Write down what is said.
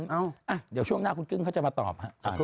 เดี๋ยวช่วงหน้าคุณกึ้งเขาจะมาตอบครับ